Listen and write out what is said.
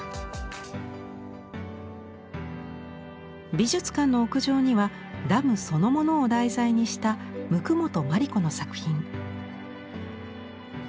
美術館の屋上にはダムそのものを題材にした椋本真理子の作品。